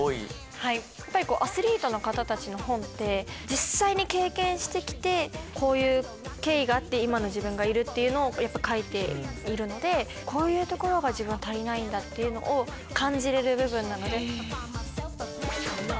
はいやっぱりアスリートの方たちの本って実際に経験して来てこういう経緯があって今の自分がいるっていうのを書いているのでこういうところが自分は足りないんだっていうのを感じれる部分なので。